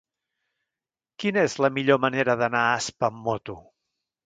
Quina és la millor manera d'anar a Aspa amb moto?